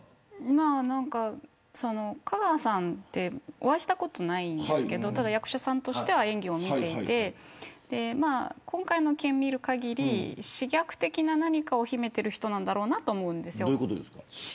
私は、香川さんお会いしたことないんですけど役者さんとしては演技を見ていて今回の件を見るかぎり嗜虐的な何かを秘めている人だと思うんです。